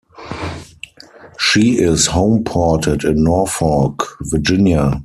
She is homeported in Norfolk, Virginia.